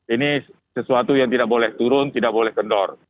ini sesuatu yang tidak boleh turun tidak boleh kendor